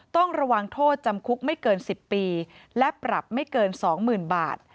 ต้องระวังโทษจำคุกไม่เกิน๑๐ปีและปรับไม่เกิน๒๐๐๐บาท